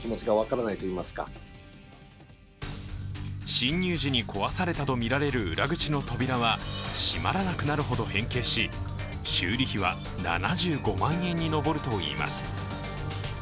侵入時に壊されたとみられる裏口の扉は閉まらなくなるほど変形し修理費は７５万円に上るといいます。